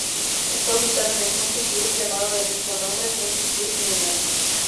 Está ubicado en el Country Club llamado del mismo nombre, Country Club Newman.